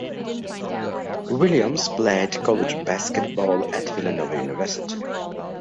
Williams played college basketball at Villanova University.